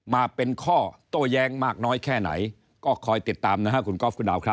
มาเป็นข้อโต้แย้งมากน้อยแค่ไหนก็คอยติดตามนะครับคุณก๊อฟคุณดาวครับ